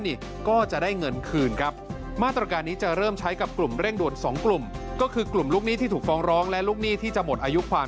ต้องใช้กับกลุ่มเร่งดวนสองกลุ่มก็คือกลุ่มตัวนี้ที่ถูกฟ้องร้องและตาลวกหนี้ที่จะหมดอายุความ